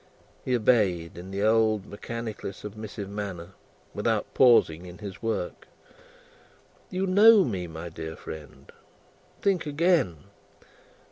He obeyed, in the old mechanically submissive manner, without pausing in his work. "You know me, my dear friend? Think again.